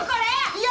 いや。